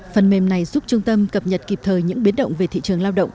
phần mềm này giúp trung tâm cập nhật kịp thời những biến động về thị trường lao động